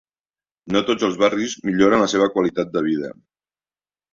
No tots els barris milloren la seva qualitat de vida.